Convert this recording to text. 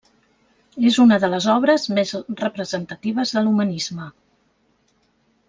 És una de les obres més representatives de l'humanisme.